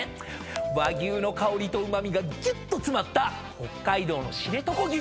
和牛の香りとうま味がぎゅっと詰まった北海道の知床牛